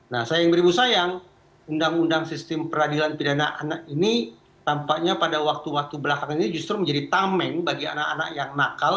nah sayang beribu sayang undang undang sistem peradilan pidana anak ini tampaknya pada waktu waktu belakangan ini justru menjadi tameng bagi anak anak yang nakal